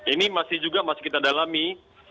ini masih juga masih kita dalami